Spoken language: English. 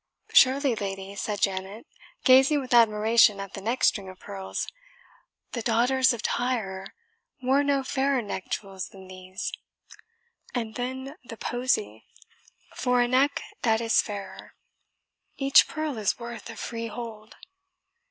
"Surely, lady," said Janet, gazing with admiration at the neck string of pearls, "the daughters of Tyre wore no fairer neck jewels than these. And then the posy, 'For a neck that is fairer' each pearl is worth a freehold."